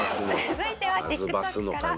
「続いてはＴｉｋＴｏｋから」